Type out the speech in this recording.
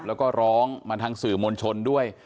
แล้วก็ร้องมาทางสื่อมวลชนด้วย